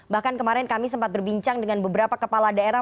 bahkan kemarin kami sempat berbincang dengan beberapa kepala daerah